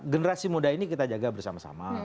generasi muda ini kita jaga bersama sama